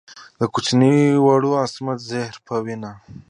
د کوچني ورور عصمت زهیر په وینا.